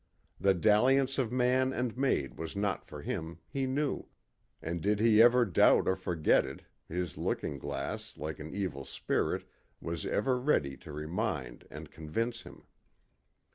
The dalliance of man and maid was not for him, he knew, and did he ever doubt or forget it, his looking glass, like an evil spirit, was ever ready to remind and convince him.